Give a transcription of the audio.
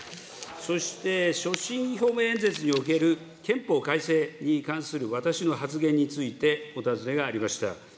そして、所信表明演説における憲法改正に関する私の発言についてお尋ねがありました。